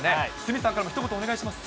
鷲見さんからもひと言、お願いします。